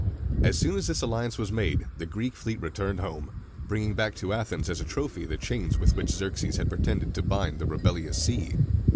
As soon as this alliance was made, the Greek fleet returned home, bringing back to Athens as a trophy the chains with which Xerxes had pretended to bind the rebellious sea.